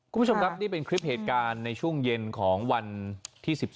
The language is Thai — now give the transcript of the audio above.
คุณผู้ชมครับนี่เป็นคลิปเหตุการณ์ในช่วงเย็นของวันที่๑๒